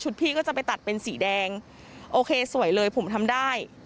พี่ก็จะไปตัดเป็นสีแดงโอเคสวยเลยผมทำได้